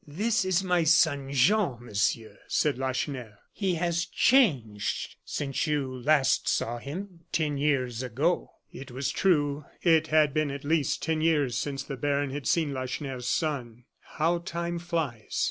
"This is my son, Jean, Monsieur," said Lacheneur. "He has changed since you last saw him ten years ago." It was true. It had been, at least, ten years since the baron had seen Lacheneur's son. How time flies!